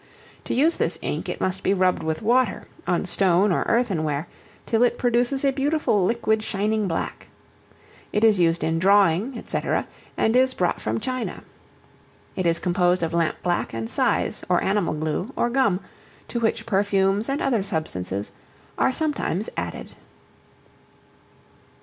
To use this ink, it must be rubbed with water, on stone or earthenware, till it produces a beautiful, liquid, shining black. It is used in drawing, &c., and is brought from China. It is composed of lamp black and size, or animal glue, or gum, to which perfumes and other substances are sometimes added.